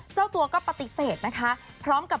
เจ้าตัวก็ปฏิเสธนะคะ